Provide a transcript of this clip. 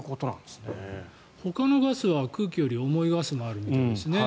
ほかのガスは空気より重いガスもあるみたいですね。